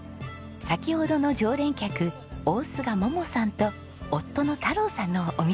先ほどの常連客大須賀桃さんと夫の太郎さんのお店です。